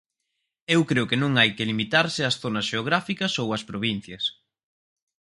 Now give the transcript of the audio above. Eu creo que non hai que limitarse ás zonas xeográficas ou ás provincias.